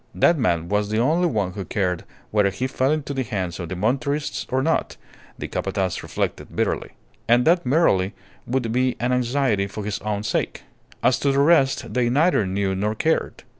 That man was the only one who cared whether he fell into the hands of the Monterists or not, the Capataz reflected bitterly. And that merely would be an anxiety for his own sake. As to the rest, they neither knew nor cared.